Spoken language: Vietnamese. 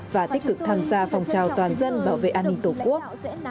và tích cực tham gia phòng trào toàn dân bảo vệ an ninh tổ quốc